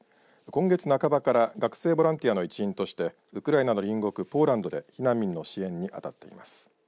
今月半ばから学生ボランティアの一員としてウクライナの隣国ポーランドで避難民の支援に当たっています。